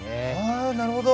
あなるほど。